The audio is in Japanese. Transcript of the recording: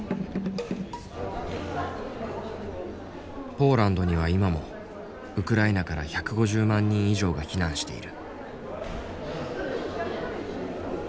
ポーランドには今もウクライナから１５０万人以上が避難している。